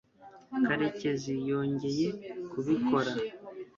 karekezi yongeye kubikora